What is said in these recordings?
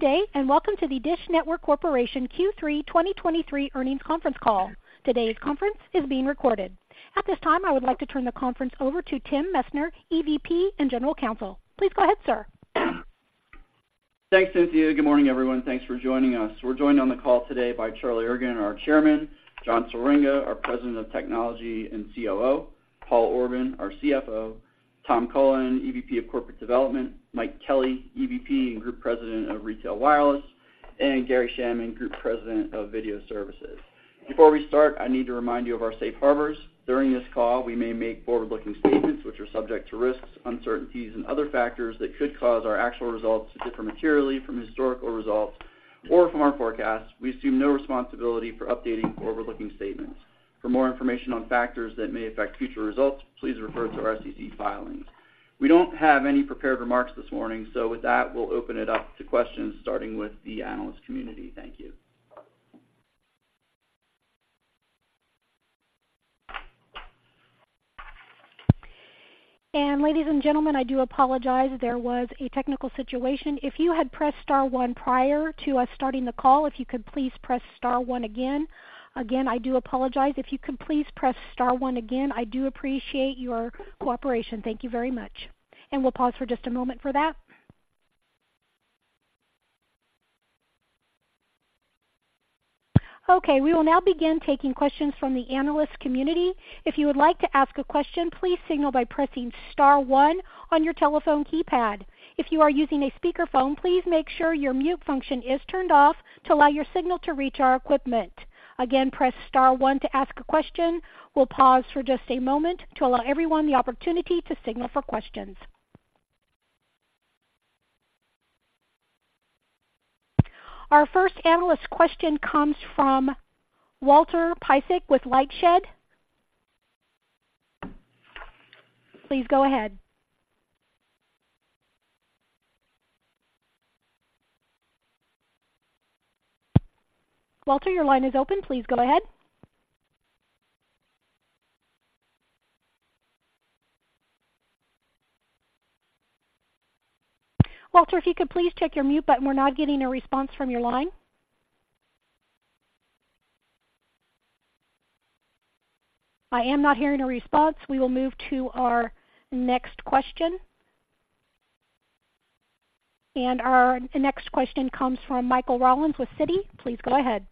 Good day, and welcome to the DISH Network Corporation Q3 2023 earnings conference call. Today's conference is being recorded. At this time, I would like to turn the conference over to Tim Messner, EVP and General Counsel. Please go ahead, sir. Thanks, Cynthia. Good morning, everyone. Thanks for joining us. We're joined on the call today by Charlie Ergen, our Chairman; John Swieringa, our President of Technology and COO; Paul Orban, our CFO; Tom Cullen, EVP of Corporate Development; Mike Kelly, EVP and Group President of Retail Wireless; and Gary Schanman, Group President of Video Services. Before we start, I need to remind you of our safe harbors. During this call, we may make forward-looking statements which are subject to risks, uncertainties and other factors that could cause our actual results to differ materially from historical results or from our forecasts. We assume no responsibility for updating forward-looking statements. For more information on factors that may affect future results, please refer to our SEC filings. We don't have any prepared remarks this morning, so with that, we'll open it up to questions, starting with the analyst community. Thank you. And ladies and gentlemen, I do apologize. There was a technical situation. If you had pressed star one prior to us starting the call, if you could please press star one again. Again, I do apologize. If you could please press star one again, I do appreciate your cooperation. Thank you very much, and we'll pause for just a moment for that. Okay, we will now begin taking questions from the analyst community. If you would like to ask a question, please signal by pressing star one on your telephone keypad. If you are using a speakerphone, please make sure your mute function is turned off to allow your signal to reach our equipment. Again, press star one to ask a question. We'll pause for just a moment to allow everyone the opportunity to signal for questions. Our first analyst question comes from Walter Piecyk with LightShed. Please go ahead. Walter, your line is open. Please go ahead. Walter, if you could please check your mute button, we're not getting a response from your line. I am not hearing a response. We will move to our next question. Our next question comes from Michael Rollins with Citi. Please go ahead.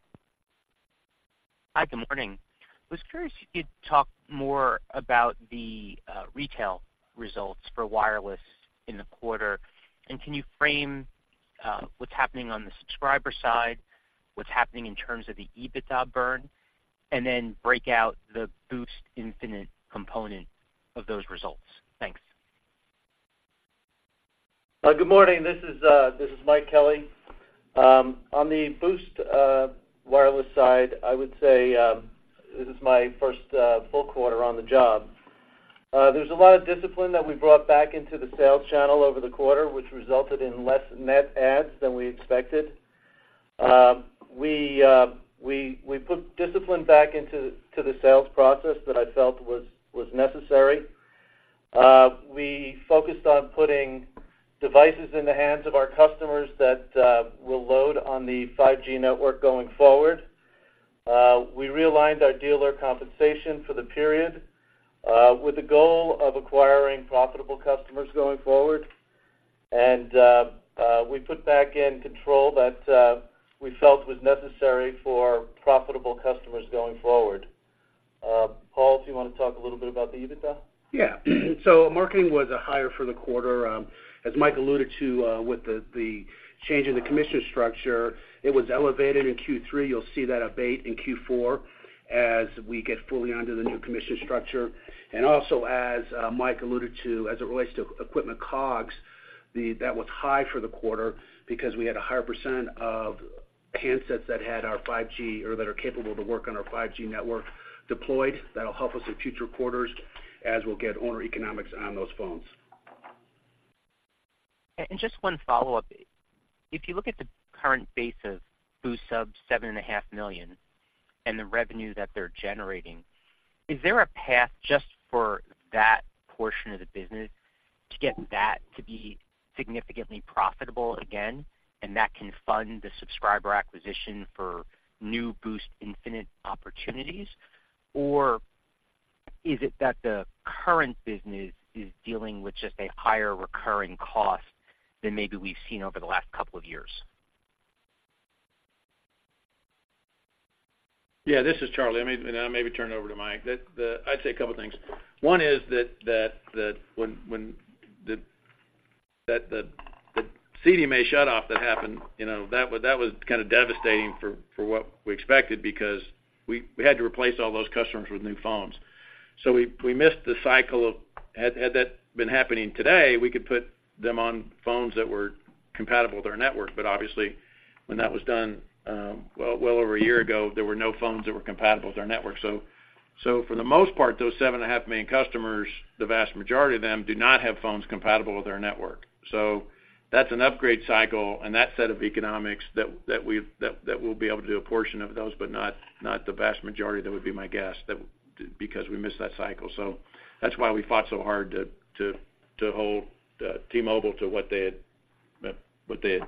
Hi, good morning. I was curious if you'd talk more about the retail results for wireless in the quarter, and can you frame what's happening on the subscriber side, what's happening in terms of the EBITDA burn, and then break out the Boost Infinite component of those results? Thanks. Good morning. This is Mike Kelly. On the Boost Wireless side, I would say this is my first full quarter on the job. There's a lot of discipline that we brought back into the sales channel over the quarter, which resulted in less net adds than we expected. We put discipline back into the sales process that I felt was necessary. We focused on putting devices in the hands of our customers that will load on the 5G network going forward. We realigned our dealer compensation for the period with the goal of acquiring profitable customers going forward. We put back in control that we felt was necessary for profitable customers going forward. Paul, do you want to talk a little bit about the EBITDA? Yeah. So marketing was higher for the quarter. As Mike alluded to, with the change in the commission structure, it was elevated in Q3. You'll see that abate in Q4 as we get fully onto the new commission structure. And also, as Mike alluded to, as it relates to equipment COGS, that was high for the quarter because we had a higher percent of handsets that had our 5G or that are capable to work on our 5G network deployed. That'll help us in future quarters as we'll get owner economics on those phones. Just one follow-up. If you look at the current base of Boost subs, 7.5 million, and the revenue that they're generating, is there a path just for that portion of the business to get that to be significantly profitable again, and that can fund the subscriber acquisition for new Boost Infinite opportunities? Or is it that the current business is dealing with just a higher recurring cost than maybe we've seen over the last couple of years? Yeah, this is Charlie. I'll maybe turn it over to Mike. I'd say a couple things. One is that when the CDMA shutoff that happened, you know, that was kind of devastating for what we expected because we had to replace all those customers with new phones. So we missed the cycle of... Had that been happening today, we could put them on phones that were compatible with our network. But obviously, when that was done, well over a year ago, there were no phones that were compatible with our network. So for the most part, those 7.5 million customers, the vast majority of them, do not have phones compatible with our network. So that's an upgrade cycle and that set of economics that we'll be able to do a portion of those, but not the vast majority, that would be my guess, that because we missed that cycle. So that's why we fought so hard to hold T-Mobile to what they had.... but what they had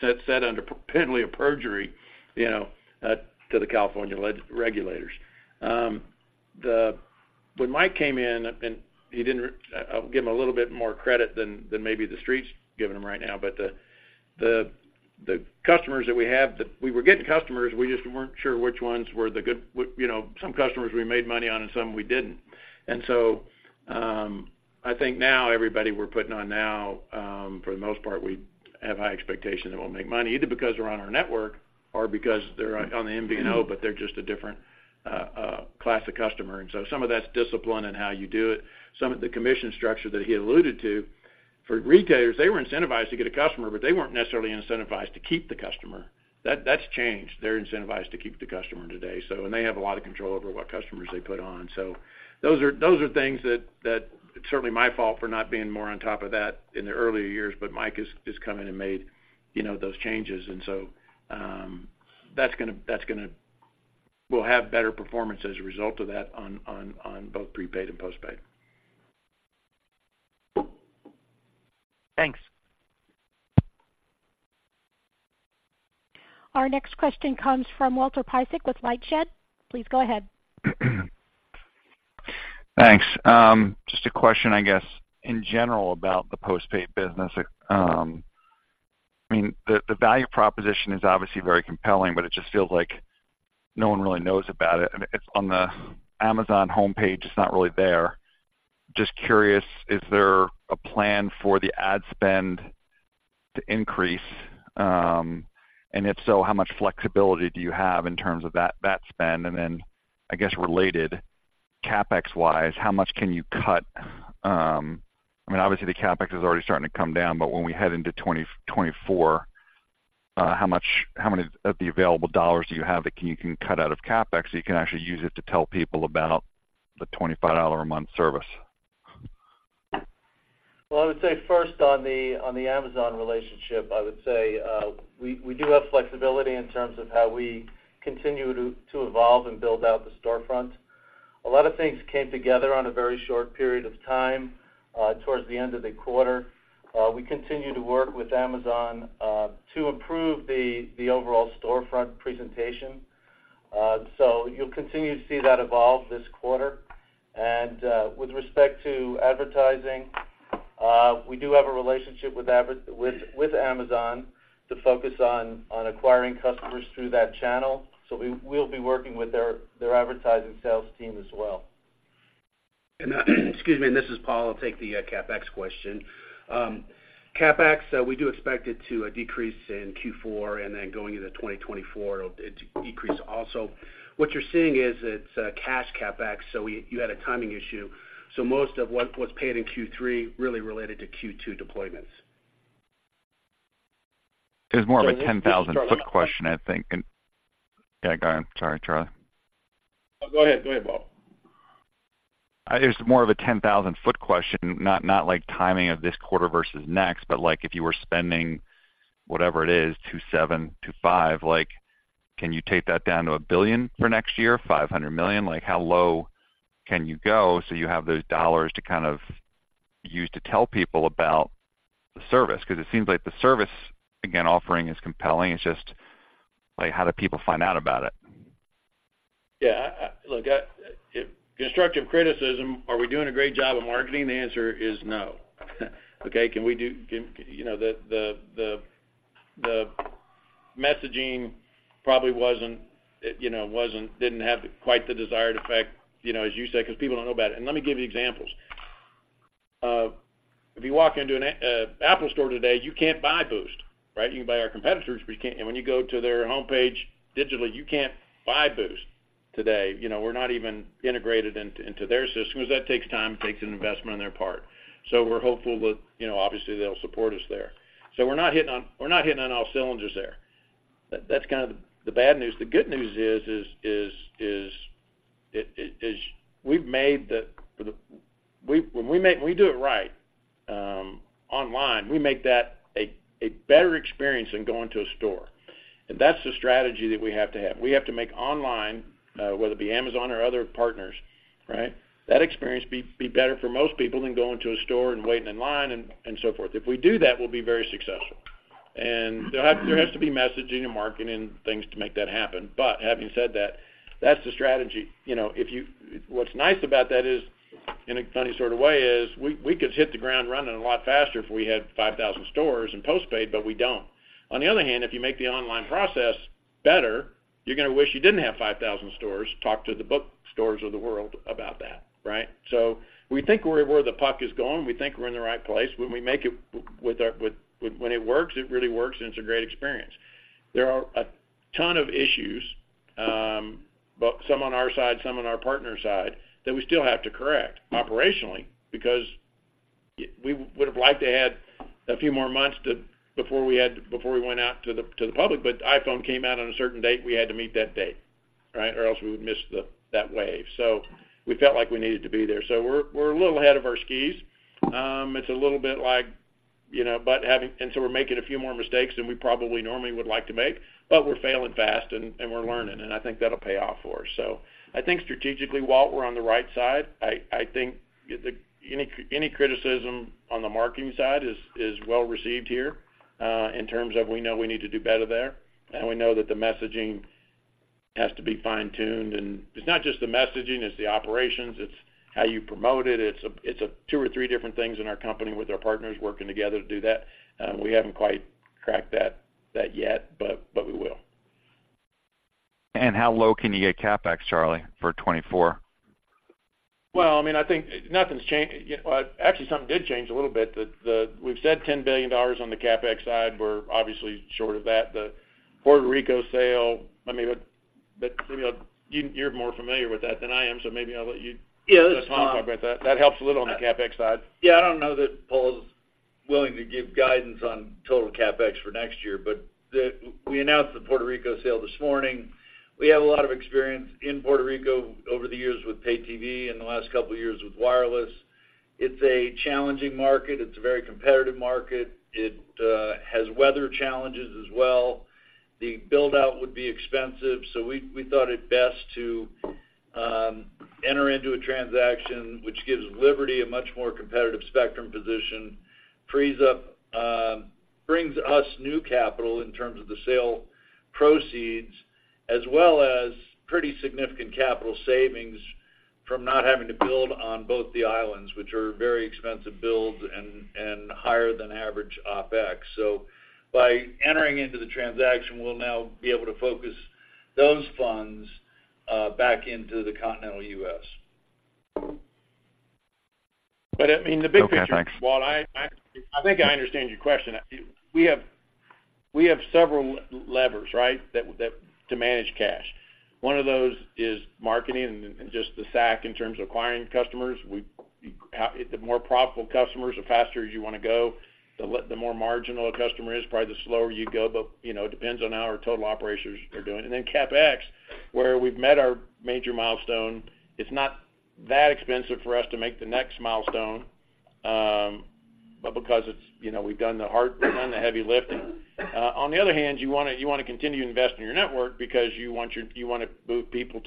said, said under penalty of perjury, you know, to the California regulators. When Mike came in, and he didn't—I'll give him a little bit more credit than maybe the street's giving him right now, but the customers that we have, that we were getting customers, we just weren't sure which ones were the good. What, you know, some customers we made money on, and some we didn't. And so, I think now, everybody we're putting on now, for the most part, we have high expectations that we'll make money, either because they're on our network or because they're on the MVNO, but they're just a different class of customer. And so some of that's discipline and how you do it. Some of the commission structure that he alluded to, for retailers, they were incentivized to get a customer, but they weren't necessarily incentivized to keep the customer. That's changed. They're incentivized to keep the customer today, and they have a lot of control over what customers they put on. So those are things that certainly my fault for not being more on top of that in the earlier years, but Mike has come in and made, you know, those changes. And so, that's gonna. We'll have better performance as a result of that on both prepaid and postpaid. Thanks. Our next question comes from Walter Piecyk with LightShed. Please go ahead. Thanks. Just a question, I guess, in general, about the postpaid business. I mean, the value proposition is obviously very compelling, but it just feels like no one really knows about it, and it's on the Amazon homepage, it's not really there. Just curious, is there a plan for the ad spend to increase? And if so, how much flexibility do you have in terms of that spend? And then, I guess, related, CapEx-wise, how much can you cut? I mean, obviously, the CapEx is already starting to come down, but when we head into 2024, how much of the available dollars do you have that you can cut out of CapEx, so you can actually use it to tell people about the $25 a month service? Well, I would say first on the Amazon relationship, I would say, we do have flexibility in terms of how we continue to evolve and build out the storefront. A lot of things came together on a very short period of time towards the end of the quarter. We continue to work with Amazon to improve the overall storefront presentation. So you'll continue to see that evolve this quarter. And with respect to advertising, we do have a relationship with Amazon to focus on acquiring customers through that channel, so we'll be working with their advertising sales team as well. Excuse me, and this is Paul. I'll take the CapEx question. CapEx, we do expect it to decrease in Q4, and then going into 2024, it'll to decrease also. What you're seeing is it's cash CapEx, so you had a timing issue. So most of what's paid in Q3 really related to Q2 deployments. It was more of a 10,000-foot question, I think. And, yeah, go ahead. Sorry, Charlie. Go ahead. Go ahead, Walt. It's more of a 10,000-foot question, not like timing of this quarter versus next, but, like, if you were spending whatever it is, $275, like, can you take that down to $1 billion for next year? $500 million? Like, how low can you go so you have those dollars to kind of use to tell people about the service? Because it seems like the service, again, offering is compelling. It's just, like, how do people find out about it? Yeah, look, if constructive criticism, are we doing a great job of marketing? The answer is no. Okay, can we do-- Can, you know, the messaging probably wasn't, you know, didn't have quite the desired effect, you know, as you said, because people don't know about it. And let me give you examples. If you walk into an Apple Store today, you can't buy Boost, right? You can buy our competitors, but you can't-- and when you go to their homepage digitally, you can't buy Boost today. You know, we're not even integrated into their system because that takes time, takes an investment on their part. So we're hopeful that, you know, obviously, they'll support us there. So we're not hitting on all cylinders there. That's kind of the bad news. The good news is we've made the, when we make, we do it right, online, we make that a better experience than going to a store. And that's the strategy that we have to have. We have to make online, whether it be Amazon or other partners, right? That experience be better for most people than going to a store and waiting in line and so forth. If we do that, we'll be very successful. And there has to be messaging and marketing and things to make that happen. But having said that, that's the strategy. You know, if you... What's nice about that is, in a funny sort of way, is we could hit the ground running a lot faster if we had 5,000 stores in postpaid, but we don't. On the other hand, if you make the online process better, you're gonna wish you didn't have 5,000 stores. Talk to the bookstores of the world about that, right? So we think we're where the puck is going. We think we're in the right place. When we make it with our, with, when it works, it really works, and it's a great experience. There are a ton of issues, but some on our side, some on our partner side, that we still have to correct operationally, because it we would have liked to had a few more months to, before we had, before we went out to the, to the public, but iPhone came out on a certain date. We had to meet that date, right? Or else we would miss the, that wave. So we felt like we needed to be there. So we're a little ahead of our skis. It's a little bit like, you know, so we're making a few more mistakes than we probably normally would like to make, but we're failing fast and we're learning, and I think that'll pay off for us. So I think strategically, Walt, we're on the right side. I think the any criticism on the marketing side is well received here, in terms of we know we need to do better there, and we know that the messaging has to be fine-tuned, and it's not just the messaging, it's the operations, it's how you promote it. It's a two or three different things in our company with our partners working together to do that. We haven't quite cracked that yet, but we will. How low can you get CapEx, Charlie, for 2024? Well, I mean, I think nothing's changed--well, actually, something did change a little bit. We've said $10 billion on the CapEx side, we're obviously short of that. The Puerto Rico sale, I mean, but you know, you're more familiar with that than I am, so maybe I'll let you- Yeah, that's fine. Talk about that. That helps a little on the CapEx side. Yeah, I don't know that Paul is willing to give guidance on total CapEx for next year, but we announced the Puerto Rico sale this morning. We have a lot of experience in Puerto Rico over the years with pay TV and the last couple of years with wireless. It's a challenging market. It's a very competitive market. It has weather challenges as well. The build-out would be expensive, so we thought it best to enter into a transaction which gives Liberty a much more competitive spectrum position, frees up, brings us new capital in terms of the sale proceeds, as well as pretty significant capital savings from not having to build on both the islands, which are very expensive builds and higher than average OpEx. So by entering into the transaction, we'll now be able to focus those funds back into the continental U.S. But, I mean, the big picture, Walt- Okay, thanks. I think I understand your question. We have several levers, right, that to manage cash. One of those is marketing and just the SAC in terms of acquiring customers. The more profitable customers, the faster you wanna go, the more marginal the customer is, probably the slower you go, but, you know, it depends on how our total operations are doing. And then CapEx, where we've met our major milestone, it's not that expensive for us to make the next milestone, but because it's, you know, we've done the heavy lifting. On the other hand, you wanna continue to invest in your network because you wanna move people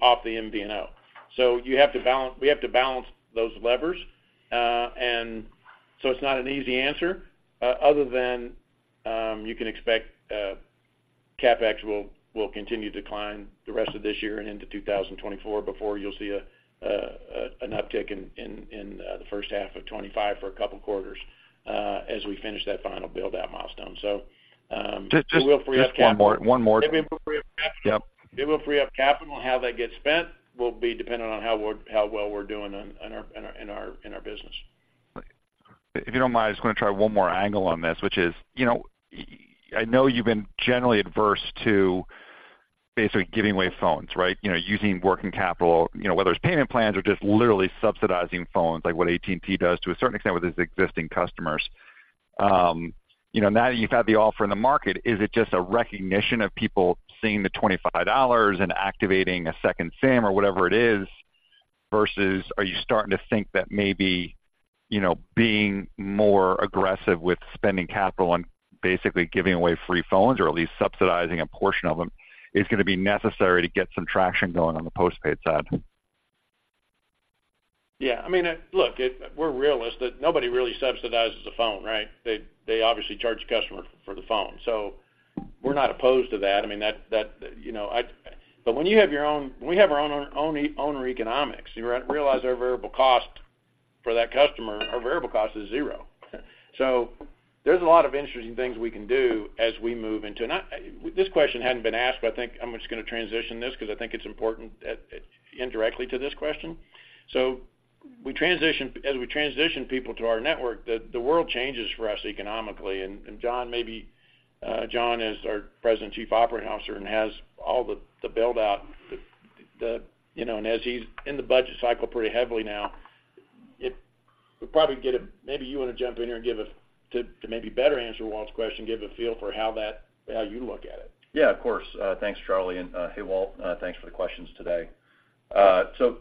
off the MVNO. So you have to balance, we have to balance those levers, and so it's not an easy answer, other than, you can expect, CapEx will continue to decline the rest of this year and into 2024 before you'll see an uptick in the first half of 2025 for a couple of quarters, as we finish that final build-out milestone. So, it will free up capital. Just, just one more, one more. It will free up capital. Yep. It will free up capital, and how that gets spent will be dependent on how well we're doing in our business. If you don't mind, I'm just gonna try one more angle on this, which is, you know, I know you've been generally adverse to basically giving away phones, right? You know, using working capital, you know, whether it's payment plans or just literally subsidizing phones, like what AT&T does to a certain extent with its existing customers. You know, now that you've had the offer in the market, is it just a recognition of people seeing the $25 and activating a second SIM or whatever it is, versus are you starting to think that maybe, you know, being more aggressive with spending capital on basically giving away free phones or at least subsidizing a portion of them, is gonna be necessary to get some traction going on the postpaid side? Yeah, I mean, look, we're realistic. Nobody really subsidizes a phone, right? They obviously charge the customer for the phone. So we're not opposed to that. I mean, that, you know, but when we have our own economics, you realize our variable cost for that customer, our variable cost is zero. So there's a lot of interesting things we can do as we move into... This question hadn't been asked, but I think I'm just gonna transition this because I think it's important albeit indirectly to this question. As we transition people to our network, the world changes for us economically. And John, maybe John is our President, Chief Operating Officer, and has all the build out, you know, and as he's in the budget cycle pretty heavily now, maybe you wanna jump in here and give us to maybe better answer Walt's question, give a feel for how that, how you look at it. Yeah, of course. Thanks, Charlie, and, hey, Walt, thanks for the questions today. So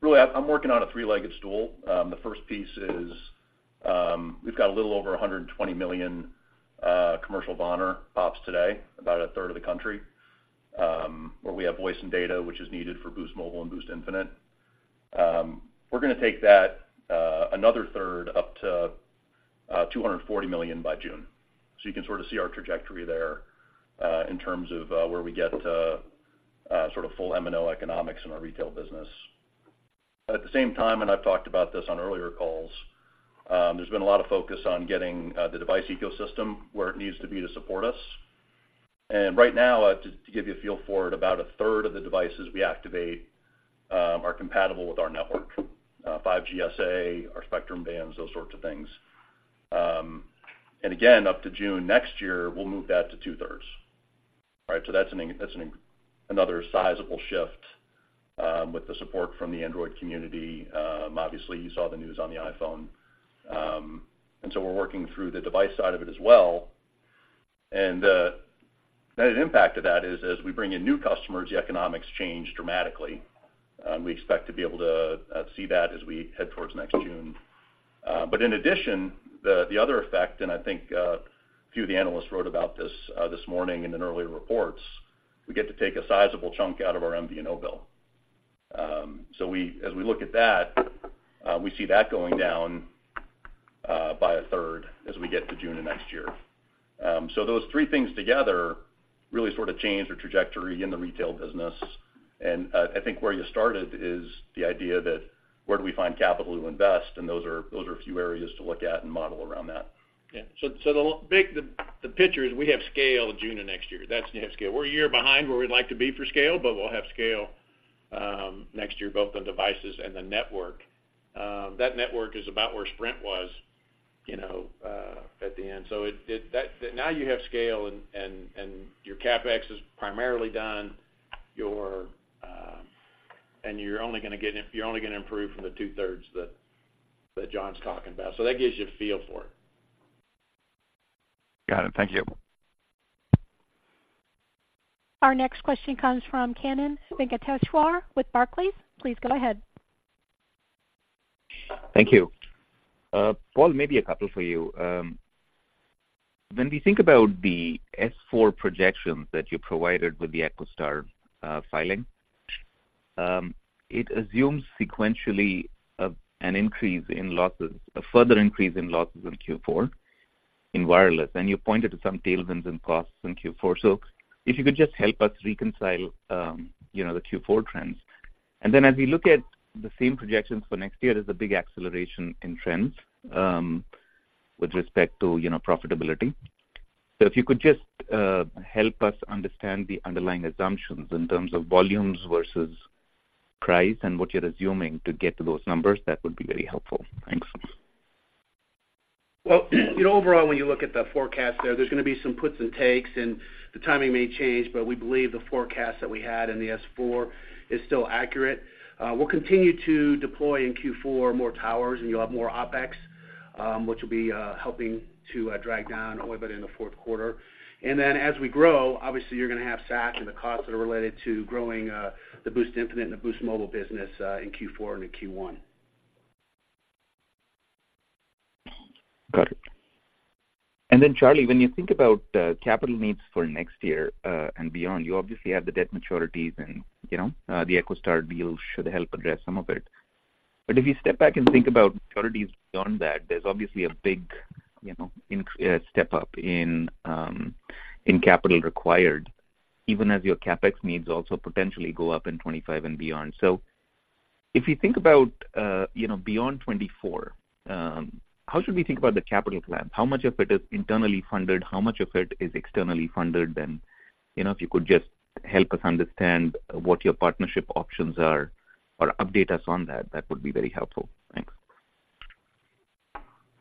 really, I'm working on a three-legged stool. The first piece is, we've got a little over 120 million commercial VoNR pops today, about a third of the country, where we have voice and data, which is needed for Boost Mobile and Boost Infinite. We're gonna take that, another third up to 240 million by June. So you can sort of see our trajectory there, in terms of, where we get to, sort of full MNO economics in our retail business. At the same time, and I've talked about this on earlier calls, there's been a lot of focus on getting, the device ecosystem where it needs to be to support us. And right now, to give you a feel for it, about a third of the devices we activate are compatible with our network, 5G SA, our spectrum bands, those sorts of things. And again, up to June next year, we'll move that to two-thirds. Right, so that's another sizable shift with the support from the Android community. Obviously, you saw the news on the iPhone. And so we're working through the device side of it as well. And the net impact of that is, as we bring in new customers, the economics change dramatically, and we expect to be able to see that as we head towards next June. But in addition, the other effect, and I think a few of the analysts wrote about this this morning in an earlier reports, we get to take a sizable chunk out of our MVNO bill. So, as we look at that, we see that going down.... by a third as we get to June of next year. So those three things together really sort of change the trajectory in the retail business. And, I think where you started is the idea that where do we find capital to invest? And those are, those are a few areas to look at and model around that. Yeah. So the big picture is we have scale June of next year. That's we have scale. We're a year behind where we'd like to be for scale, but we'll have scale next year, both on devices and the network. That network is about where Sprint was, you know, at the end. So that now you have scale and your CapEx is primarily done, your. And you're only gonna get, you're only gonna improve from the two-thirds that John's talking about. So that gives you a feel for it. Got it. Thank you. Our next question comes from Kannan Venkateshwar with Barclays. Please go ahead. Thank you. Paul, maybe a couple for you. When we think about the S-4 projections that you provided with the EchoStar filing, it assumes sequentially an increase in losses, a further increase in losses in Q4, in wireless, and you pointed to some tailwinds and costs in Q4. So if you could just help us reconcile, you know, the Q4 trends. And then as we look at the same projections for next year, there's a big acceleration in trends, with respect to, you know, profitability. So if you could just help us understand the underlying assumptions in terms of volumes versus price and what you're assuming to get to those numbers, that would be very helpful. Thanks. Well, you know, overall, when you look at the forecast there, there's gonna be some puts and takes, and the timing may change, but we believe the forecast that we had in the S-4 is still accurate. We'll continue to deploy in Q4 more towers, and you'll have more OpEx, which will be helping to drag down a little bit in the fourth quarter. And then, as we grow, obviously, you're gonna have SAC and the costs that are related to growing the Boost Infinite and the Boost Mobile business in Q4 and in Q1. Got it. And then, Charlie, when you think about capital needs for next year and beyond, you obviously have the debt maturities and, you know, the EchoStar deal should help address some of it. But if you step back and think about maturities beyond that, there's obviously a big, you know, step up in capital required, even as your CapEx needs also potentially go up in 2025 and beyond. So if you think about, you know, beyond 2024, how should we think about the capital plan? How much of it is internally funded? How much of it is externally funded? And, you know, if you could just help us understand what your partnership options are or update us on that, that would be very helpful. Thanks.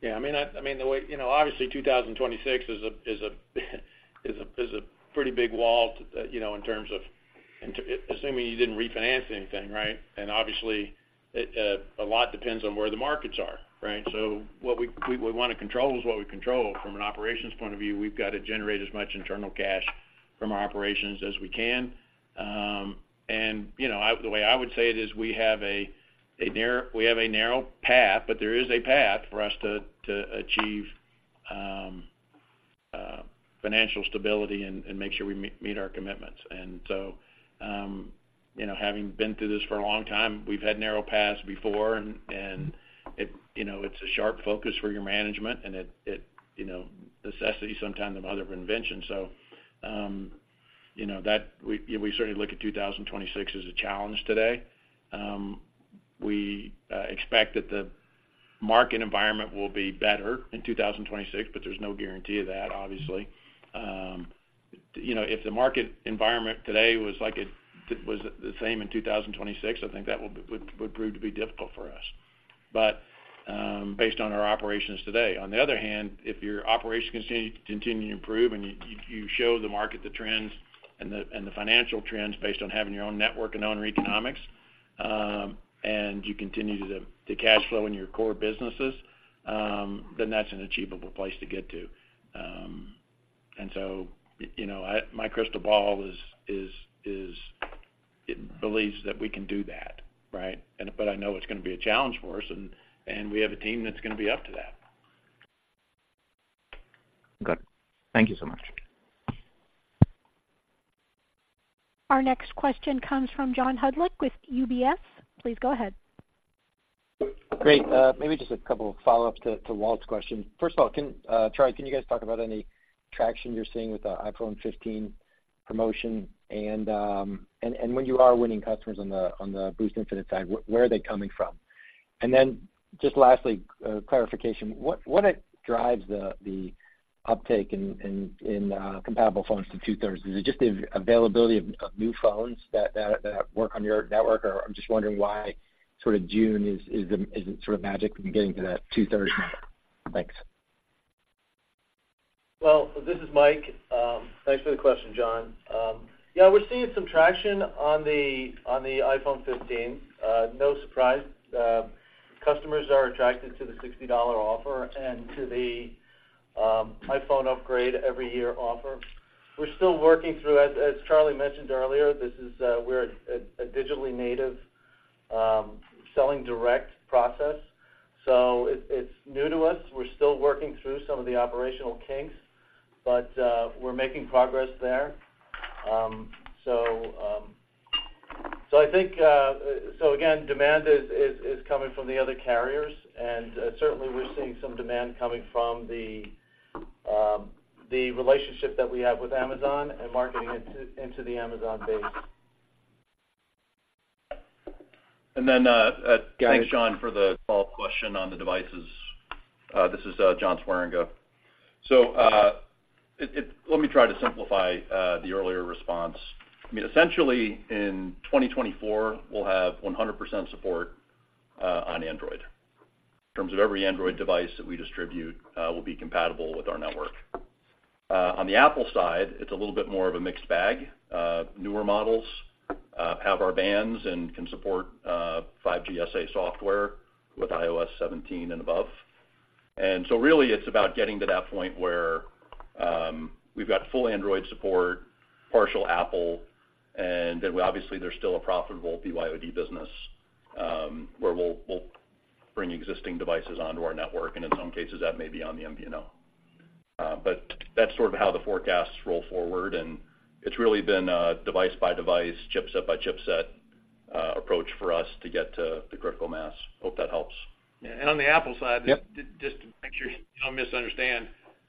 Yeah, I mean, the way, you know, obviously, 2026 is a pretty big wall to, you know, in terms of... And, too, assuming you didn't refinance anything, right? And obviously, a lot depends on where the markets are, right? So what we wanna control is what we control. From an operations point of view, we've got to generate as much internal cash from our operations as we can. And, you know, the way I would say it is, we have a narrow path, but there is a path for us to achieve financial stability and make sure we meet our commitments. So, you know, having been through this for a long time, we've had narrow paths before, and it, you know, it's a sharp focus for your management, and it, you know, necessity sometimes is the mother of invention. So, you know, we certainly look at 2026 as a challenge today. We expect that the market environment will be better in 2026, but there's no guarantee of that, obviously. You know, if the market environment today was like it was the same in 2026, I think that would prove to be difficult for us, but based on our operations today. On the other hand, if your operations continue to improve and you show the market the trends and the financial trends based on having your own network and owner economics, and you continue the cash flow in your core businesses, then that's an achievable place to get to. And so, you know, my crystal ball is it believes that we can do that, right? But I know it's gonna be a challenge for us, and we have a team that's gonna be up to that. Got it. Thank you so much. Our next question comes from John Hodulik with UBS. Please go ahead. Great, maybe just a couple of follow-ups to Walt's question. First of all, can Charlie, can you guys talk about any traction you're seeing with the iPhone 15 promotion? And when you are winning customers on the Boost Infinite side, where are they coming from? And then, just lastly, clarification, what drives the uptake in compatible phones to two-thirds? Is it just the availability of new phones that work on your network? Or I'm just wondering why sort of June is the magic when you're getting to that two-thirds mark? Thanks. Well, this is Mike. Thanks for the question, John. Yeah, we're seeing some traction on the iPhone 15. No surprise, customers are attracted to the $60 offer and to the iPhone upgrade every year offer. We're still working through, as Charlie mentioned earlier, this is, we're a digitally native selling direct process, so it's new to us. We're still working through some of the operational kinks, but we're making progress there. So... So I think so again, demand is coming from the other carriers, and certainly we're seeing some demand coming from the relationship that we have with Amazon and marketing into the Amazon base. Thanks, John, for the follow-up question on the devices. This is John Swieringa. So, let me try to simplify the earlier response. I mean, essentially, in 2024, we'll have 100% support on Android. In terms of every Android device that we distribute, will be compatible with our network. On the Apple side, it's a little bit more of a mixed bag. Newer models have our bands and can support 5G SA software with iOS 17 and above. And so really, it's about getting to that point where we've got full Android support, partial Apple, and then obviously, there's still a profitable BYOD business, where we'll bring existing devices onto our network, and in some cases, that may be on the MVNO. But that's sort of how the forecasts roll forward, and it's really been a device-by-device, chipset-by-chipset, approach for us to get to the critical mass. Hope that helps. Yeah, and on the Apple side- Yep. Just to make sure you don't misunderstand,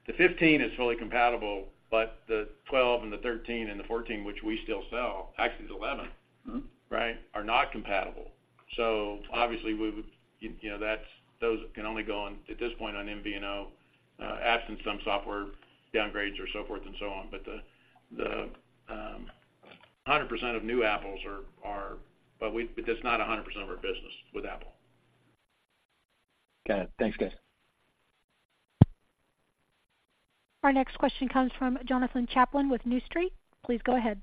the 15 is fully compatible, but the 12 and the 13 and the 14, which we still sell, actually the 11, right, are not compatible. So obviously, we would, you know, those can only go on, at this point, on MVNO, absent some software downgrades or so forth and so on. But 100% of new Apples are. But that's not 100% of our business with Apple. Got it. Thanks, guys. Our next question comes from Jonathan Chaplin with New Street. Please go ahead.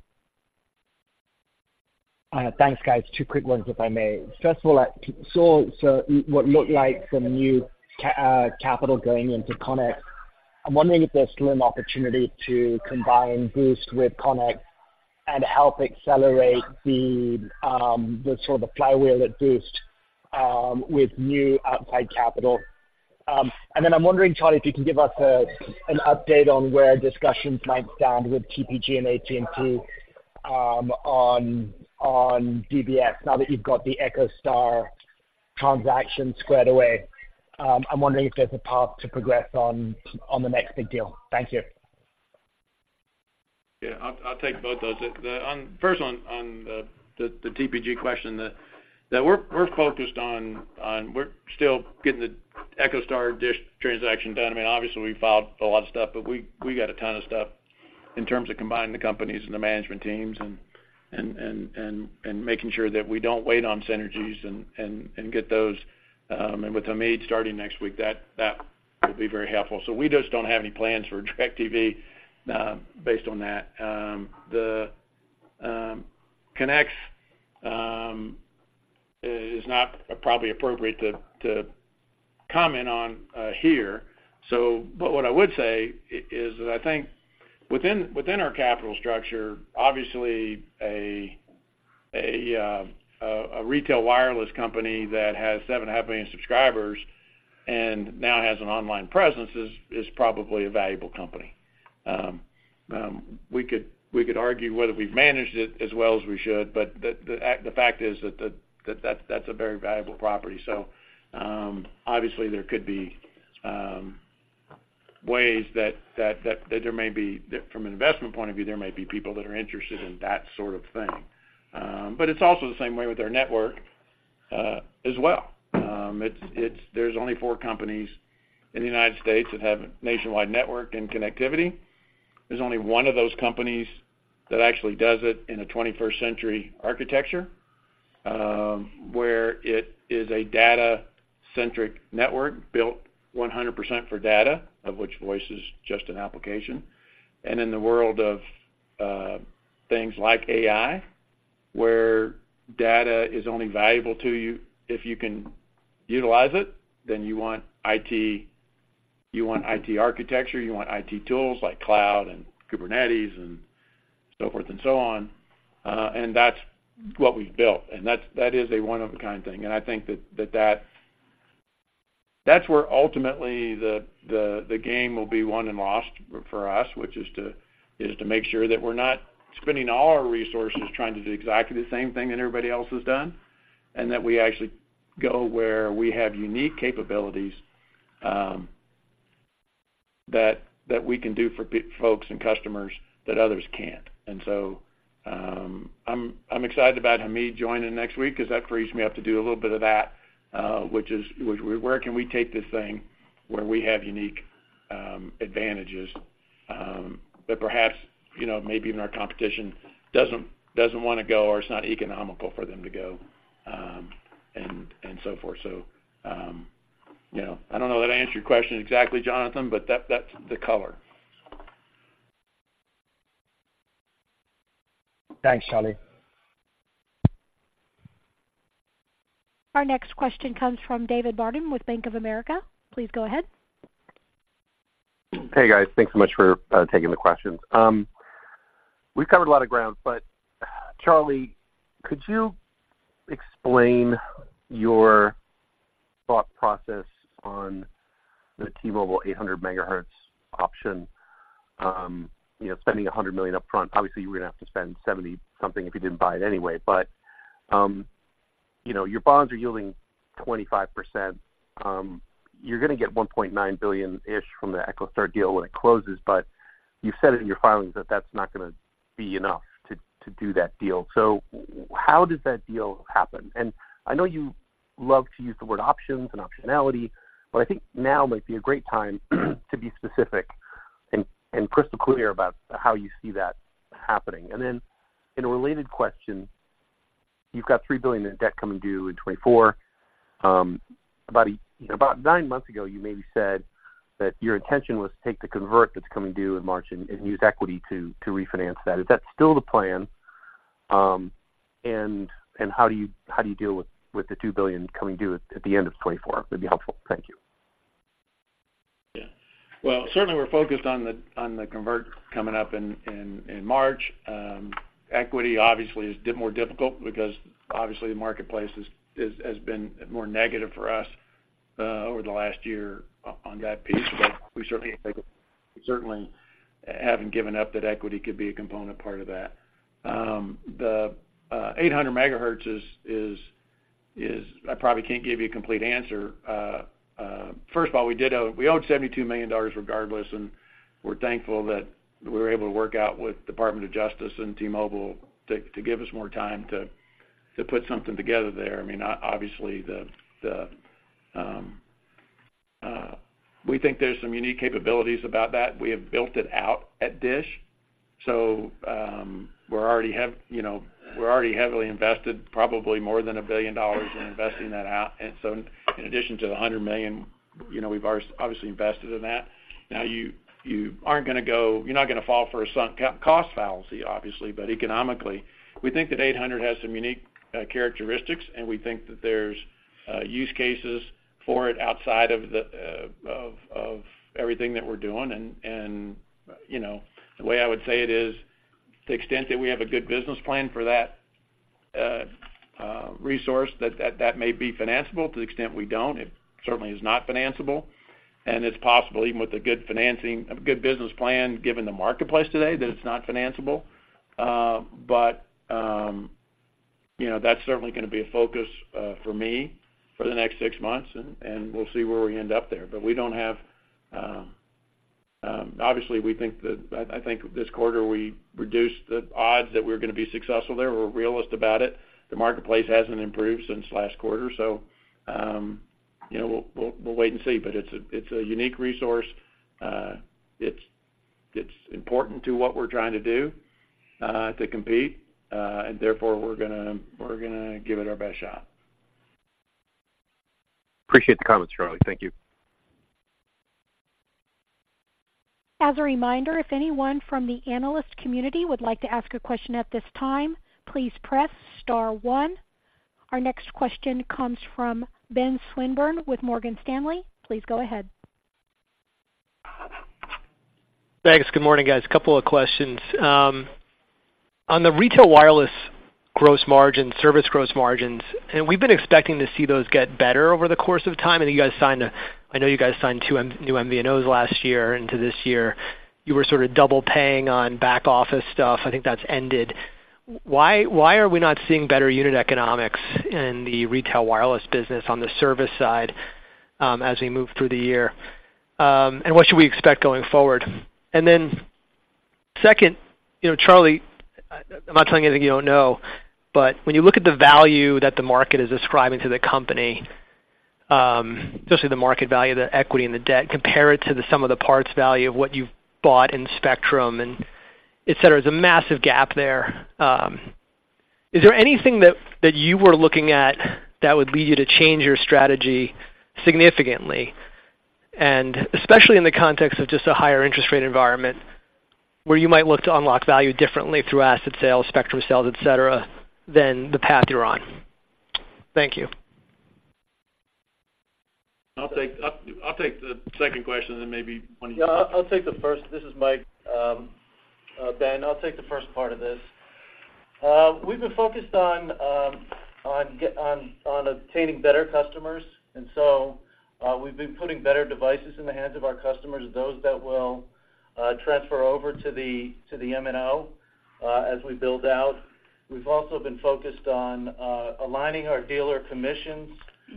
Thanks, guys. Two quick ones, if I may. First of all, I saw so what looked like some new capital going into CONX. I'm wondering if there's still an opportunity to combine Boost with CONX and help accelerate the sort of the flywheel at Boost with new outside capital. And then I'm wondering, Charlie, if you can give us an update on where discussions might stand with TPG and AT&T on DBS, now that you've got the EchoStar transaction squared away. I'm wondering if there's a path to progress on the next big deal. Thank you. Yeah, I'll take both those. First, on the TPG question, that we're focused on, we're still getting the EchoStar-DISH transaction done. I mean, obviously, we filed a lot of stuff, but we got a ton of stuff in terms of combining the companies and the management teams and making sure that we don't wait on synergies and get those, and with Hamid starting next week, that will be very helpful. So we just don't have any plans for DIRECTV, based on that. The CONX is not probably appropriate to comment on here. So but what I would say is that I think within our capital structure, obviously, a retail wireless company that has 7.5 million subscribers and now has an online presence is probably a valuable company. We could argue whether we've managed it as well as we should, but the fact is that that's a very valuable property. So, obviously, there could be ways that there may be... From an investment point of view, there might be people that are interested in that sort of thing. But it's also the same way with our network as well. It's—there's only four companies in the United States that have nationwide network and connectivity. There's only one of those companies that actually does it in a 21st century architecture, where it is a data-centric network built 100% for data, of which voice is just an application. And in the world of things like AI, where data is only valuable to you, if you can utilize it, then you want IT, you want IT architecture, you want IT tools like cloud and Kubernetes and so forth and so on. And that's what we've built, and that's, that is a one-of-a-kind thing. And I think that's where ultimately the game will be won and lost for us, which is to make sure that we're not spending all our resources trying to do exactly the same thing that everybody else has done, and that we actually go where we have unique capabilities that we can do for folks and customers that others can't. And so, I'm excited about Hamid joining next week, because that frees me up to do a little bit of that, which is where can we take this thing where we have unique advantages that perhaps you know maybe even our competition doesn't want to go, or it's not economical for them to go, and so forth. So, you know, I don't know if that answered your question exactly, Jonathan, but that, that's the color. Thanks, Charlie. Our next question comes from David Barden with Bank of America. Please go ahead. Hey, guys. Thanks so much for taking the questions. We've covered a lot of ground, but Charlie, could you explain your thought process on the T-Mobile 800 MHz option. You know, spending $100 million upfront, obviously, you were going to have to spend $70-something if you didn't buy it anyway. But you know, your bonds are yielding 25%. You're gonna get $1.9 billion-ish from the EchoStar deal when it closes, but you said it in your filings that that's not gonna be enough to do that deal. So how does that deal happen? And I know you love to use the word options and optionality, but I think now might be a great time to be specific and crystal clear about how you see that happening. Then, in a related question, you've got $3 billion in debt coming due in 2024. About nine months ago, you maybe said that your intention was to take the convert that's coming due in March and use equity to refinance that. Is that still the plan? And how do you deal with the $2 billion coming due at the end of 2024? That'd be helpful. Thank you. Yeah. Well, certainly, we're focused on the convert coming up in March. Equity, obviously, is more difficult because, obviously, the marketplace has been more negative for us over the last year on that piece. But we certainly haven't given up that equity could be a component part of that. The 800 MHz is... I probably can't give you a complete answer. First of all, we owed $72 million regardless, and we're thankful that we were able to work out with Department of Justice and T-Mobile to give us more time to put something together there. I mean, obviously, the we think there's some unique capabilities about that. We have built it out at DISH, so, you know, we're already heavily invested, probably more than $1 billion in investing that out. And so in addition to the $100 million, you know, we've obviously invested in that. Now, you aren't gonna go—you're not gonna fall for a sunk cost fallacy, obviously, but economically, we think that 800 has some unique characteristics, and we think that there's use cases for it outside of the of everything that we're doing. And, you know, the way I would say it is, to the extent that we have a good business plan for that resource, that may be financeable. To the extent we don't, it certainly is not financeable. It's possible, even with a good financing, a good business plan, given the marketplace today, that it's not financeable. But you know, that's certainly gonna be a focus for me for the next six months, and we'll see where we end up there. But we don't have... Obviously, we think that, I think this quarter we reduced the odds that we're gonna be successful there. We're realistic about it. The marketplace hasn't improved since last quarter, so you know, we'll wait and see. But it's a unique resource. It's important to what we're trying to do, to compete, and therefore, we're gonna give it our best shot. Appreciate the comments, Charlie. Thank you. As a reminder, if anyone from the analyst community would like to ask a question at this time, please press star one. Our next question comes from Ben Swinburne with Morgan Stanley. Please go ahead. Thanks. Good morning, guys. A couple of questions. On the retail wireless gross margin, service gross margins, and we've been expecting to see those get better over the course of time, and you guys signed—I know you guys signed two new MVNOs last year into this year. You were sort of double paying on back-office stuff. I think that's ended. Why, why are we not seeing better unit economics in the retail wireless business on the service side, as we move through the year? And what should we expect going forward? Then second, you know, Charlie, I, I'm not telling you anything you don't know, but when you look at the value that the market is ascribing to the company, especially the market value of the equity and the debt, compare it to the sum of the parts value of what you've bought in spectrum and et cetera, there's a massive gap there. Is there anything that you were looking at that would lead you to change your strategy significantly? And especially in the context of just a higher interest rate environment, where you might look to unlock value differently through asset sales, spectrum sales, et cetera, than the path you're on? Thank you. I'll take the second question, and then maybe one of you- Yeah, I'll, I'll take the first. This is Mike. Ben, I'll take the first part of this. We've been focused on obtaining better customers, and so we've been putting better devices in the hands of our customers, those that will transfer over to the MNO as we build out. We've also been focused on aligning our dealer commissions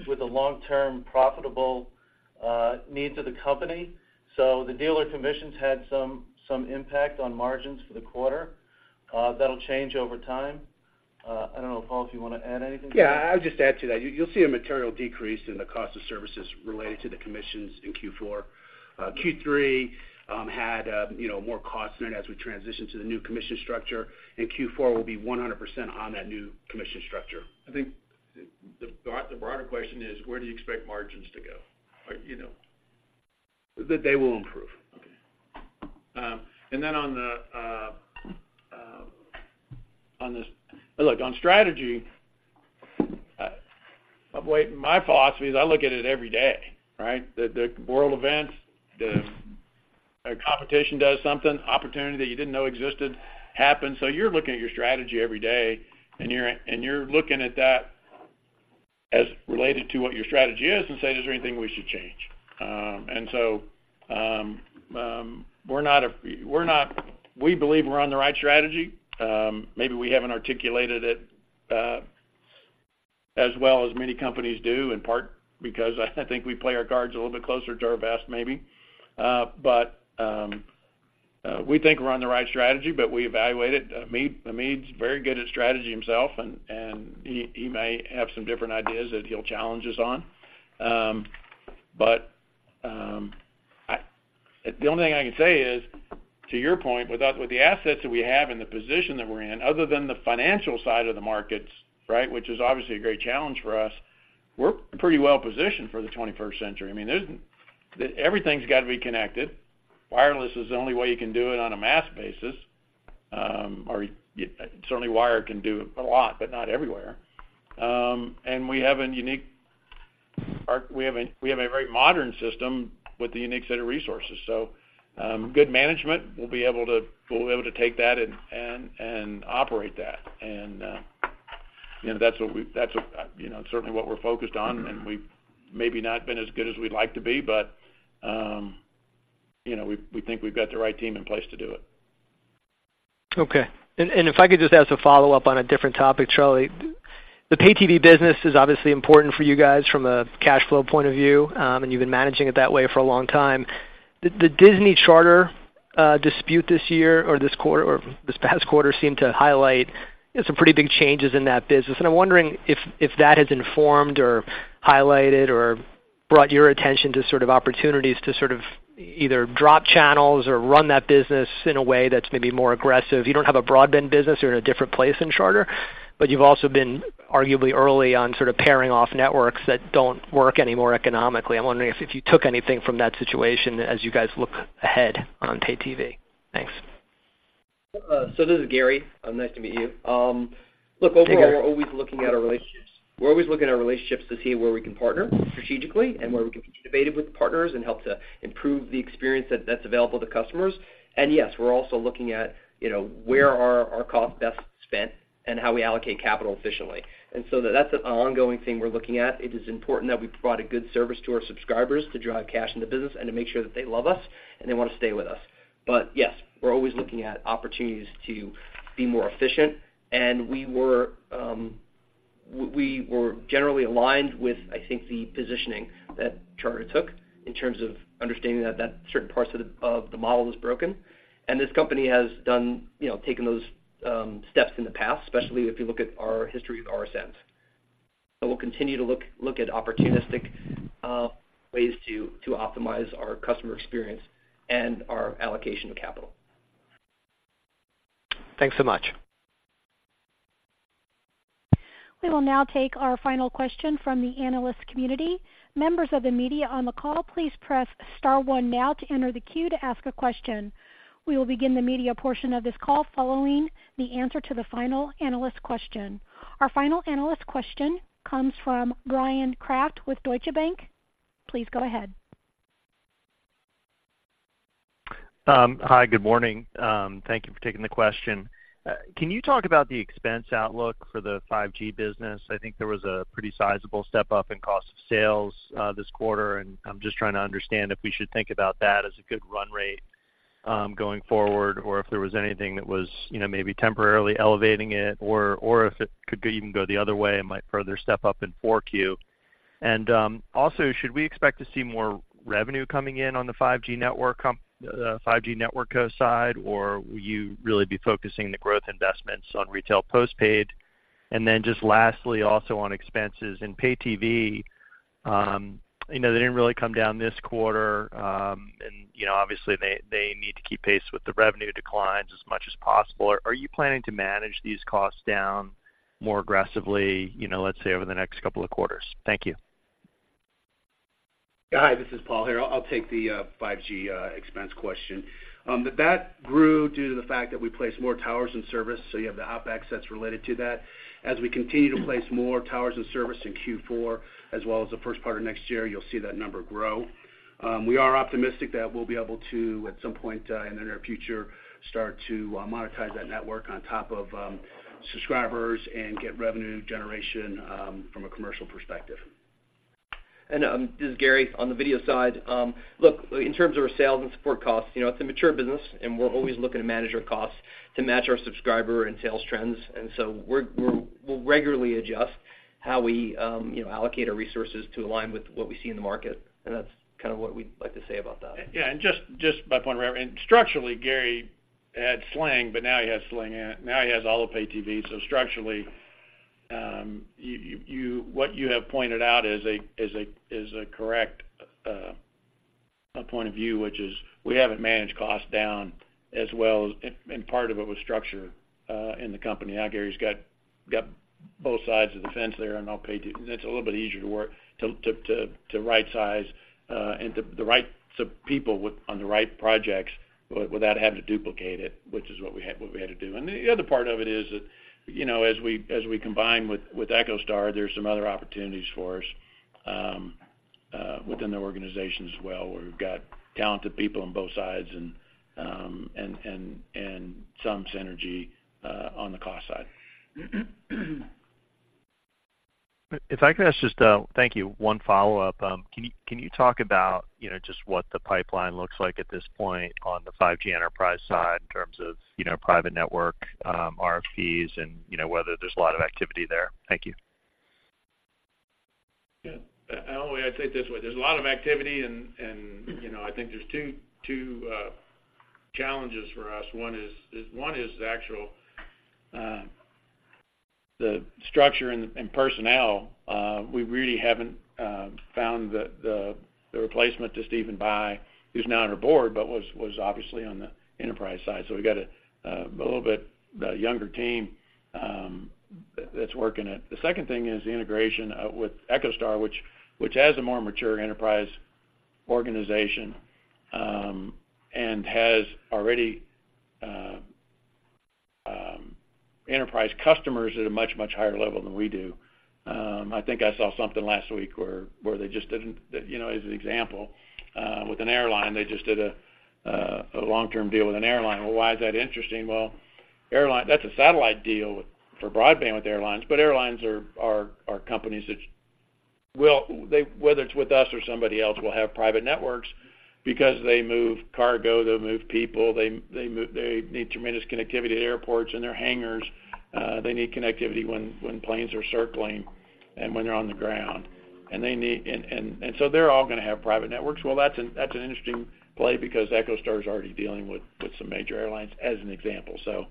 with the long-term, profitable needs of the company. So the dealer commissions had some impact on margins for the quarter. That'll change over time. I don't know, Paul, if you wanna add anything? Yeah, I'll just add to that. You'll see a material decrease in the cost of services related to the commissions in Q4. Q3 had, you know, more costs in it as we transitioned to the new commission structure, and Q4 will be 100% on that new commission structure. I think the broader question is, where do you expect margins to go? Or, you know. That they will improve. Okay. And then on the, on this. Look, on strategy, my philosophy is I look at it every day, right? The world events, a competition does something, opportunity that you didn't know existed happens. So you're looking at your strategy every day, and you're looking at that as related to what your strategy is and say: Is there anything we should change? And so, we believe we're on the right strategy. Maybe we haven't articulated it as well as many companies do, in part, because I think we play our cards a little bit closer to our vest, maybe. But, we think we're on the right strategy, but we evaluate it. Hamid, Hamid's very good at strategy himself, and he may have some different ideas that he'll challenge us on. But the only thing I can say is, to your point, with the assets that we have and the position that we're in, other than the financial side of the markets, right, which is obviously a great challenge for us, we're pretty well positioned for the 21st century. I mean, everything's got to be connected. Wireless is the only way you can do it on a mass basis, or certainly, wired can do a lot, but not everywhere. And we have a unique... We have a very modern system with a unique set of resources. So, good management will be able to take that and operate that. You know, that's what we, that's what, you know, certainly what we're focused on, and we've maybe not been as good as we'd like to be, but, you know, we, we think we've got the right team in place to do it. Okay. And if I could just ask a follow-up on a different topic, Charlie. The pay TV business is obviously important for you guys from a cash flow point of view, and you've been managing it that way for a long time. The Disney-Charter dispute this year or this quarter, or this past quarter seemed to highlight some pretty big changes in that business, and I'm wondering if that has informed or highlighted or brought your attention to sort of opportunities to sort of either drop channels or run that business in a way that's maybe more aggressive. You don't have a broadband business, you're in a different place in Charter, but you've also been arguably early on sort of paring off networks that don't work anymore economically. I'm wondering if you took anything from that situation as you guys look ahead on pay TV. Thanks. So this is Gary. Nice to meet you. Look- Hey, Gary. Overall, we're always looking at our relationships. We're always looking at our relationships to see where we can partner strategically and where we can be innovative with partners and help to improve the experience that that's available to customers. And yes, we're also looking at, you know, where are our costs best spent and how we allocate capital efficiently. And so that's an ongoing thing we're looking at. It is important that we provide a good service to our subscribers to drive cash in the business and to make sure that they love us and they want to stay with us. But yes, we're always looking at opportunities to be more efficient, and we were generally aligned with, I think, the positioning that Charter took in terms of understanding that certain parts of the model was broken. This company has done, you know, taken those steps in the past, especially if you look at our history with RSN. So we'll continue to look at opportunistic ways to optimize our customer experience and our allocation of capital. Thanks so much. We will now take our final question from the analyst community. Members of the media on the call, please press Star One now to enter the queue to ask a question. We will begin the media portion of this call following the answer to the final analyst question. Our final analyst question comes from Brian Kraft with Deutsche Bank. Please go ahead. Hi, good morning. Thank you for taking the question. Can you talk about the expense outlook for the 5G business? I think there was a pretty sizable step up in cost of sales this quarter, and I'm just trying to understand if we should think about that as a good run rate going forward, or if there was anything that was, you know, maybe temporarily elevating it, or if it could even go the other way and might further step up in 4Q. And also, should we expect to see more revenue coming in on the 5G network com, 5G network side, or will you really be focusing the growth investments on retail postpaid? And then just lastly, also on expenses in pay TV, you know, they didn't really come down this quarter, and, you know, obviously, they, they need to keep pace with the revenue declines as much as possible. Are you planning to manage these costs down more aggressively, you know, let's say, over the next couple of quarters? Thank you. Hi, this is Paul here. I'll take the 5G expense question. That grew due to the fact that we placed more towers in service, so you have the OpEx that's related to that. As we continue to place more towers in service in Q4, as well as the first part of next year, you'll see that number grow. We are optimistic that we'll be able to, at some point, in the near future, start to monetize that network on top of subscribers and get revenue generation from a commercial perspective. This is Gary, on the video side. Look, in terms of our sales and support costs, you know, it's a mature business, and we're always looking to manage our costs to match our subscriber and sales trends. And so we'll regularly adjust how we you know, allocate our resources to align with what we see in the market, and that's kind of what we'd like to say about that. Yeah, and just by point of reference, and structurally, Gary had Sling, but now he has Sling and now he has all the pay TV. So structurally, you, what you have pointed out is a correct point of view, which is we haven't managed costs down as well as... And part of it was structure in the company. Now, Gary's got both sides of the fence there and now pay TV, and it's a little bit easier to work to right-size and to the right people on the right project without having to duplicate it, which is what we had to do. The other part of it is that, you know, as we combine with EchoStar, there's some other opportunities for us within the organization as well, where we've got talented people on both sides and some synergy on the cost side. If I could ask just, thank you, one follow-up. Can you, can you talk about, you know, just what the pipeline looks like at this point on the 5G enterprise side in terms of, you know, private network, RFPs, and, you know, whether there's a lot of activity there? Thank you. Yeah. I'd say it this way, there's a lot of activity and, you know, I think there's two challenges for us. One is the actual structure and personnel. We really haven't found the replacement to Stephen Bye, who's now on our board, but was obviously on the enterprise side. So we got a little bit younger team that's working it. The second thing is the integration with EchoStar, which has a more mature enterprise organization and has already enterprise customers at a much higher level than we do. I think I saw something last week where they just did, you know, as an example, with an airline, they just did a long-term deal with an airline. Well, why is that interesting? Well, airline—that's a satellite deal for broadband with airlines, but airlines are companies that will—they, whether it's with us or somebody else, will have private networks because they move cargo, they move people, they move—they need tremendous connectivity at airports and their hangars. They need connectivity when planes are circling and when they're on the ground, and they need—and so they're all gonna have private networks. Well, that's an interesting play because EchoStar is already dealing with some major airlines as an example. So,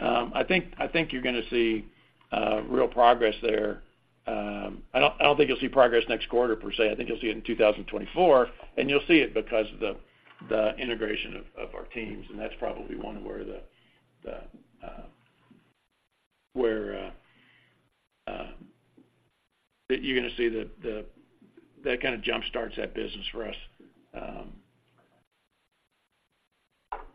I think you're gonna see real progress there. I don't think you'll see progress next quarter per se. I think you'll see it in 2024, and you'll see it because of the integration of our teams, and that's probably one where that you're gonna see that kind of jumpstarts that business for us,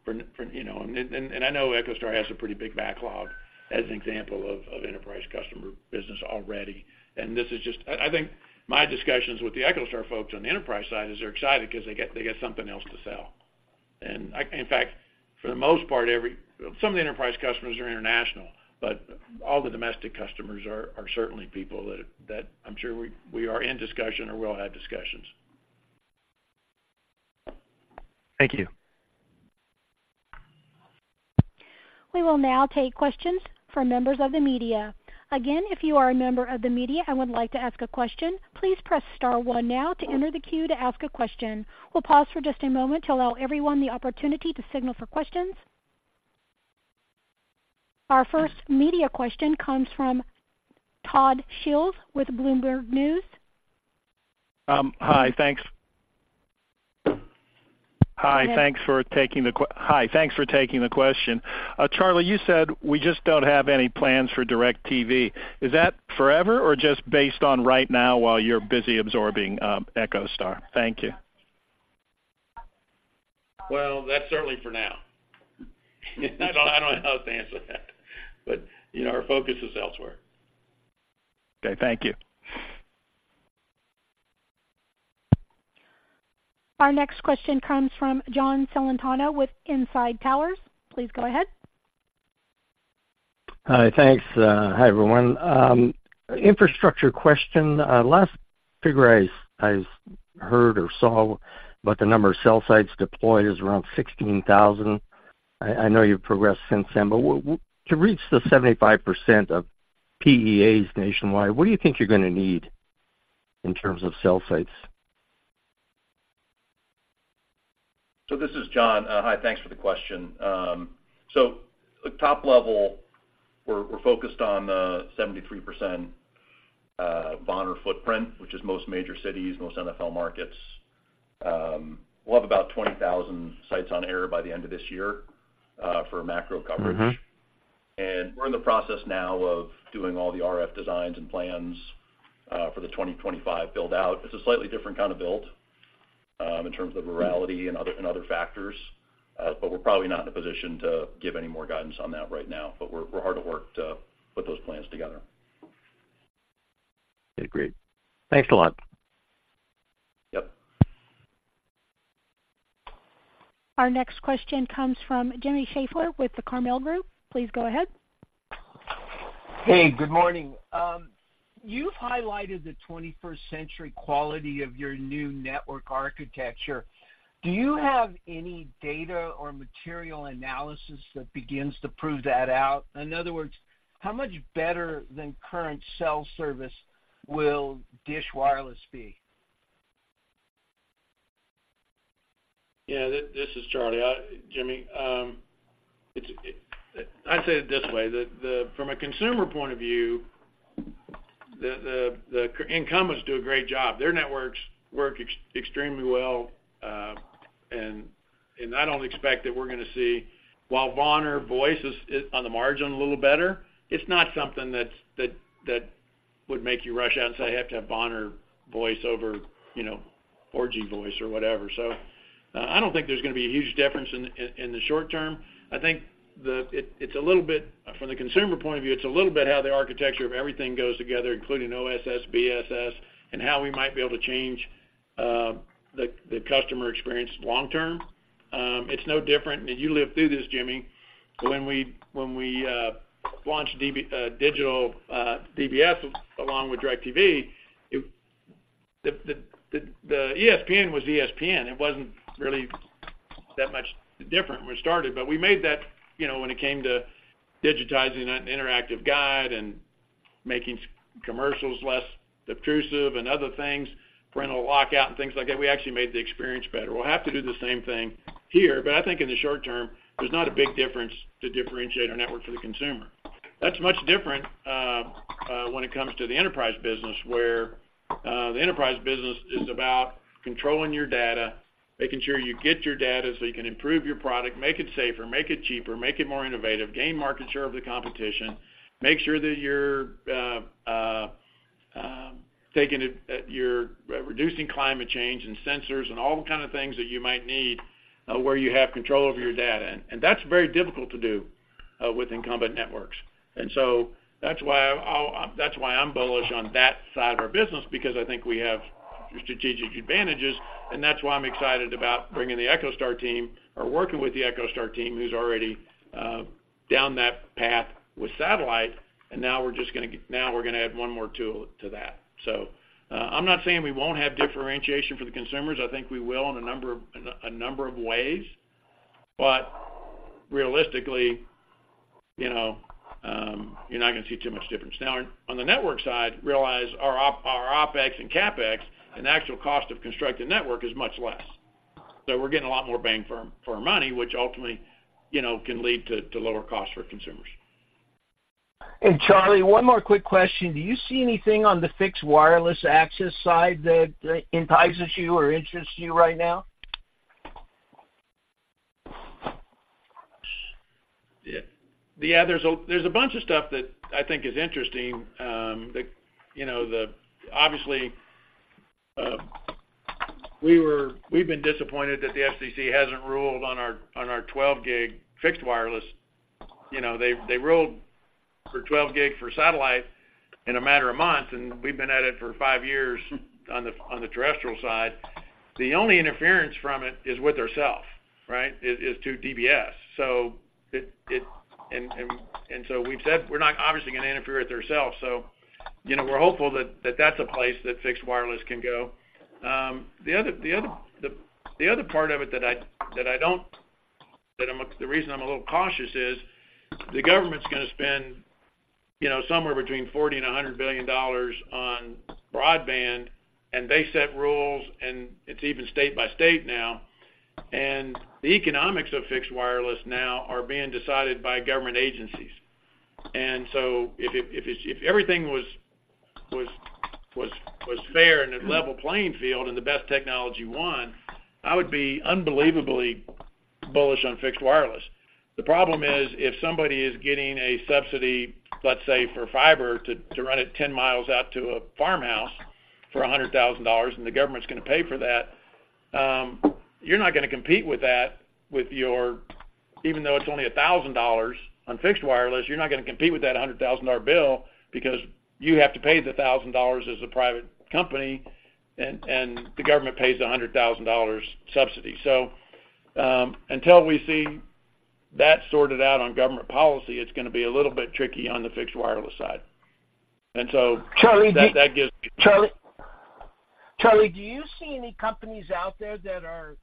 for you know. And I know EchoStar has a pretty big backlog as an example of enterprise customer business already. And this is just—I think my discussions with the EchoStar folks on the enterprise side is they're excited because they get something else to sell. And in fact, for the most part, some of the enterprise customers are international, but all the domestic customers are certainly people that I'm sure we are in discussion or will have discussions. Thank you. We will now take questions from members of the media. Again, if you are a member of the media and would like to ask a question, please press star one now to enter the queue to ask a question. We'll pause for just a moment to allow everyone the opportunity to signal for questions. Our first media question comes from Todd Shields with Bloomberg News. Hi, thanks for taking the question. Charlie, you said we just don't have any plans for DIRECTV. Is that forever or just based on right now while you're busy absorbing EchoStar? Thank you. Well, that's certainly for now. I don't, I don't know how to answer that, but, you know, our focus is elsewhere. Okay, thank you. Our next question comes from John Celentano with Inside Towers. Please go ahead. Hi, thanks. Hi, everyone. Infrastructure question. Last figure I heard or saw about the number of cell sites deployed is around 16,000. I know you've progressed since then, but to reach the 75% of PEAs nationwide, what do you think you're gonna need in terms of cell sites? So this is John. Hi, thanks for the question. So at top level, we're focused on the 73% VoNR footprint, which is most major cities, most NFL markets. We'll have about 20,000 sites on air by the end of this year for macro coverage. Mm-hmm. We're in the process now of doing all the RF designs and plans for the 2025 build-out. It's a slightly different kind of build in terms of rurality and other factors, but we're probably not in a position to give any more guidance on that right now. We're hard at work to put those plans together. Okay, great. Thanks a lot. Yep. Our next question comes from Jimmy Schaeffler with the Carmel Group. Please go ahead. Hey, good morning. You've highlighted the 21st century quality of your new network architecture. Do you have any data or material analysis that begins to prove that out? In other words, how much better than current cell service will DISH Wireless be? Yeah, this is Charlie. Jimmy, it's—I'd say it this way, from a consumer point of view, the incumbents do a great job. Their networks work extremely well, and I don't expect that we're gonna see... While VoNR voice is on the margin a little better, it's not something that would make you rush out and say, I have to have VoNR voice over, you know, 4G voice or whatever. So, I don't think there's gonna be a huge difference in the short term. I think it's a little bit, from the consumer point of view, it's a little bit how the architecture of everything goes together, including OSS, BSS, and how we might be able to change the customer experience long term. It's no different, and you lived through this, Jimmy. So when we launched digital DBS along with DIRECTV, the ESPN was ESPN. It wasn't really that much different when we started, but we made that, you know, when it came to digitizing that interactive guide and making commercials less obtrusive and other things, parental lockout, and things like that, we actually made the experience better. We'll have to do the same thing here, but I think in the short term, there's not a big difference to differentiate our network for the consumer. That's much different when it comes to the enterprise business, where the enterprise business is about controlling your data, making sure you get your data so you can improve your product, make it safer, make it cheaper, make it more innovative, gain market share of the competition, make sure that you're reducing climate change and sensors and all the kind of things that you might need, where you have control over your data. And that's very difficult to do with incumbent networks. And so that's why I'm bullish on that side of our business, because I think we have strategic advantages, and that's why I'm excited about bringing the EchoStar team, or working with the EchoStar team, who's already down that path with satellite. And now we're just gonna add one more tool to that. So, I'm not saying we won't have differentiation for the consumers. I think we will in a number of, in a number of ways, but realistically, you know, you're not gonna see too much difference. Now, on the network side, realize our OpEx and CapEx, and the actual cost of constructing network is much less. So we're getting a lot more bang for our, for our money, which ultimately, you know, can lead to lower costs for consumers. Charlie, one more quick question. Do you see anything on the fixed wireless access side that entices you or interests you right now? Yeah. Yeah, there's a bunch of stuff that I think is interesting, that, you know, the obviously, we've been disappointed that the FCC hasn't ruled on our 12 GHz fixed wireless. You know, they ruled for 12 GHz for satellite in a matter of months, and we've been at it for 5 years on the terrestrial side. The only interference from it is with ourself, right? Is to DBS. So it... And so we've said we're not obviously gonna interfere with ourself, so, you know, we're hopeful that that's a place that fixed wireless can go. The other part of it that I don't – that I'm – the reason I'm a little cautious is, the government's gonna spend, you know, somewhere between $40 billion and $100 billion on broadband, and they set rules, and it's even state by state now, and the economics of fixed wireless now are being decided by government agencies. And so if it... If everything was fair and a level playing field, and the best technology won, I would be unbelievably bullish on fixed wireless. The problem is, if somebody is getting a subsidy, let's say, for fiber, to run it 10 miles out to a farmhouse for $100,000, and the government's gonna pay for that, you're not gonna compete with that, with your-- even though it's only $1,000 on fixed wireless, you're not gonna compete with that $100,000 bill because you have to pay the $1,000 as a private company, and the government pays the $100,000 subsidy. So, until we see that sorted out on government policy, it's gonna be a little bit tricky on the fixed wireless side. And so- Charlie, do- That gives- Charlie, Charlie, do you see any companies out there that are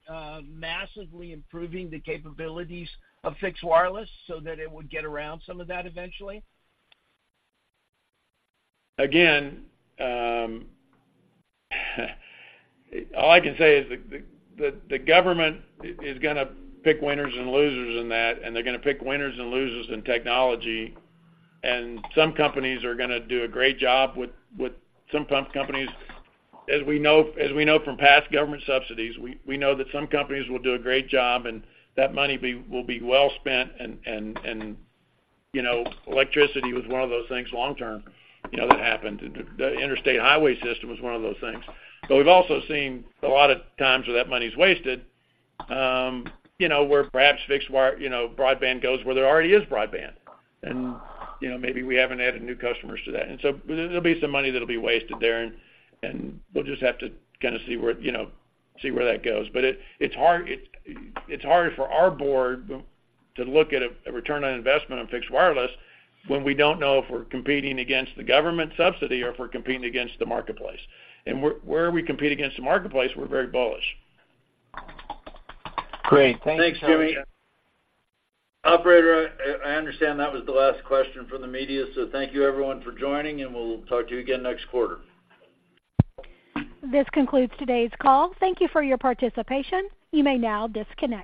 massively improving the capabilities of fixed wireless so that it would get around some of that eventually? Again, all I can say is the government is gonna pick winners and losers in that, and they're gonna pick winners and losers in technology, and some companies are gonna do a great job with. Some companies, as we know from past government subsidies, we know that some companies will do a great job, and that money will be well spent. And, you know, electricity was one of those things long term, you know, that happened. The interstate highway system was one of those things. But we've also seen a lot of times where that money's wasted, you know, where perhaps fixed wire, you know, broadband goes where there already is broadband. And, you know, maybe we haven't added new customers to that. And so there'll be some money that'll be wasted there, and we'll just have to kind of see where, you know, that goes. But it's hard for our board to look at a return on investment on fixed wireless when we don't know if we're competing against the government subsidy or if we're competing against the marketplace. And where we compete against the marketplace, we're very bullish. Great. Thank you. Thanks, Jimmy. Operator, I understand that was the last question from the media, so thank you, everyone, for joining, and we'll talk to you again next quarter. This concludes today's call. Thank you for your participation. You may now disconnect.